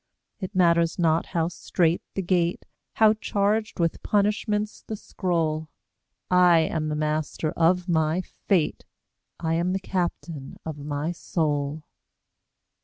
It matters not how strait the gate, How charged with punishments the scroll, I am the master of my fate: I am the captain of my soul.